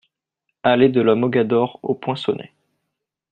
Allée de la Mogador au Poinçonnet